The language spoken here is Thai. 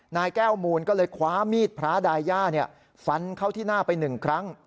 นายแก้วมูลก็เลยคว้ามีดพระดายย่าฟันเข้าที่หน้าไปหนึ่งครั้ง